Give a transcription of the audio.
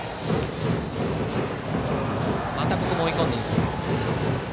またここも追い込んでいます。